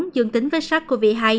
dương tính với sars cov hai